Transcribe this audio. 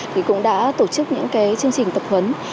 thì cũng đã tổ chức những cái chương trình tập huấn